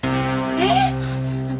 えっ！？